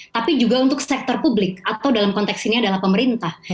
tapi juga untuk sektor publik atau dalam konteks ini adalah pemerintah